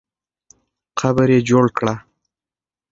قبر یې جوړ کړه.